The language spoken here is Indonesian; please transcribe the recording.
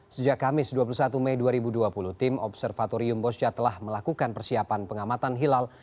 sejak kamis dua puluh satu mei dua ribu dua puluh tim observatorium bosca telah melakukan persiapan pengamatan hilal